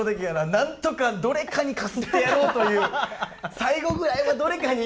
なんとかどれかにかすってやろうという最後ぐらいはどれかに。